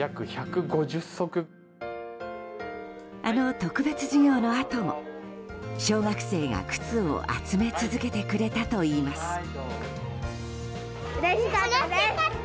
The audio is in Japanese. あの特別授業のあとも小学生が、靴を集め続けてくれたといいます。